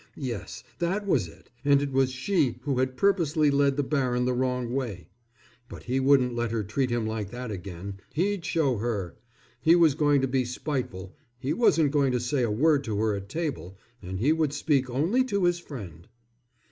Yes, that was it, and it was she who had purposely led the baron the wrong way. But he wouldn't let her treat him like that again, he'd show her. He was going to be spiteful, he wasn't going to say a word to her at table, and he would speak only to his friend.